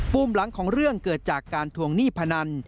มหลังของเรื่องเกิดจากการทวงหนี้พนัน